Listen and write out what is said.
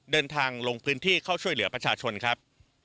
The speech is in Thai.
ลงพื้นที่เข้าช่วยเหลือประชาชนครับ